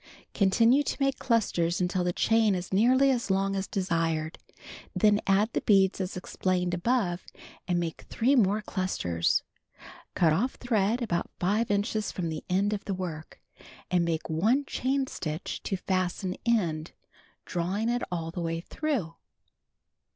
Continue to make clusters until the chain is nearly as long as desired. Then add the beads as explained above and make 3 more clustei s. Cut off thread about 5 inches from the end of the work, and make one chain stitch to fasten end, drawing it all the way through.